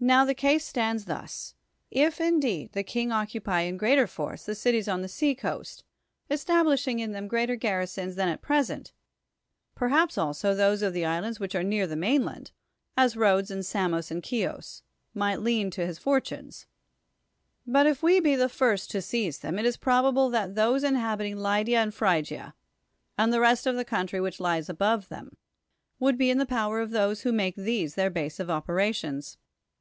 Now the case stands thus. If. indeed, liie kinii occujn in p'reater force the cities on the sea coast, estab lishinu' in them <rreater li'arrisons tlian at present, perha])s also those of the islands ^\•hich are iiear the mainland, as Rhodes and Sainos and Chios, mif;'lit lean to his fortun(>s : but if we be the first to seize them, it is probable that those iidiabitint;' Lydia and Phrygia, and the rest of the counti y which lies above them, woidd be in the ])owcr of those who make these their base of opera.ti' ns.